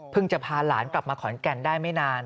จะพาหลานกลับมาขอนแก่นได้ไม่นาน